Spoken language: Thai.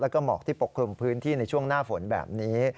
แล้วก็หมอกที่ปกคลุมพื้นที่ในช่วงหน้าฝนแบบนี้